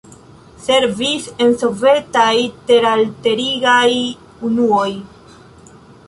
Servis en sovetaj teralterigaj unuoj.